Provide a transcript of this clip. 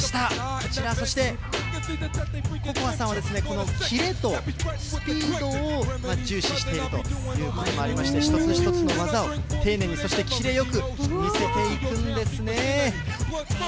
こちら、そして、Ｃｏｃｏａさんは、このキレとスピードを重視しているということもありまして、一つ一つの技を丁寧に、そしてキレよく見せていくんですね。